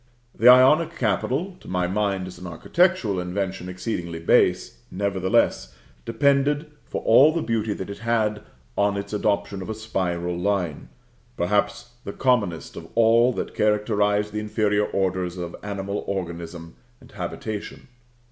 The Ionic capital (to my mind, as an architectural invention, exceedingly base) nevertheless depended for all the beauty that it had on its adoption of a spiral line, perhaps the commonest of all that characterise the inferior orders of animal organism and habitation.